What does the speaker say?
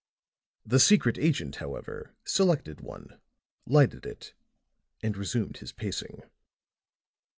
The secret agent, however, selected one, lighted it and resumed his pacing.